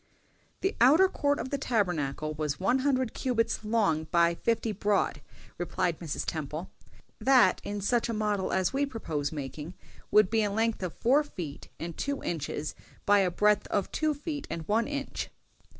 "The outer court of the Tabernacle was one hundred cubits long by fifty broad," replied Mrs. Temple; "that, in such a model as we propose making, would be a length of four feet and two inches, by a breadth of two feet and one inch."